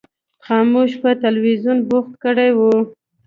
خاموش په تلویزیون بوخت کړی و.